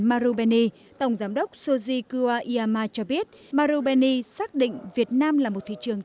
marubeni tổng giám đốc soji kua iyama cho biết marubeni xác định việt nam là một thị trường